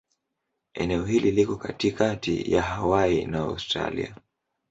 Eneo hili liko katikati ya Hawaii na Australia.